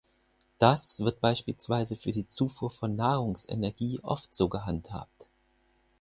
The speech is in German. Das wird beispielsweise für die Zufuhr von Nahrungsenergie oft so gehandhabt.